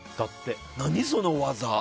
何、その技？